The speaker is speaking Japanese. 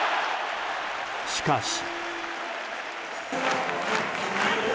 しかし。